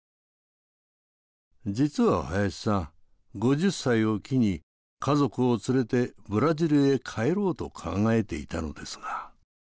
実は林さん５０歳を機に家族を連れてブラジルへ帰ろうと考えていたのですが。